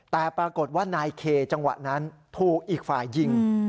แต่ปรากฏว่านายเคจังหวะนั้นถูกอีกฝ่ายยิง